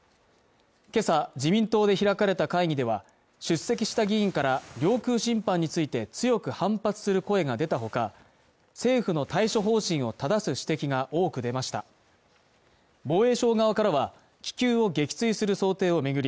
今朝自民党で開かれた会議では出席した議員から領空侵犯について強く反発する声が出たほか政府の対処方針をただす指摘が多く出ました防衛省側からは気球を撃墜する想定を巡り